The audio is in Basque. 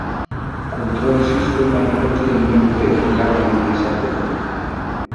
Kontrol sistema egokien menpe lan egin dezatela.